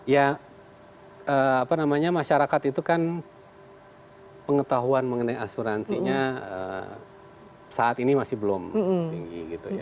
ya apa namanya masyarakat itu kan pengetahuan mengenai asuransinya saat ini masih belum tinggi gitu ya